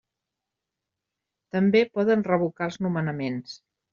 També poden revocar els nomenaments.